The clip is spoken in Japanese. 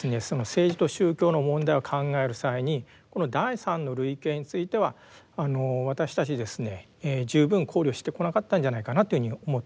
政治と宗教の問題を考える際にこの第三の類型についてはあの私たちですね十分考慮してこなかったんじゃないかなっていうふうに思っております。